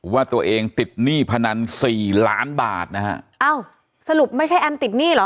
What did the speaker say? ว่าตัวเองติดหนี้พนันสี่ล้านบาทนะฮะอ้าวสรุปไม่ใช่แอมติดหนี้เหรอ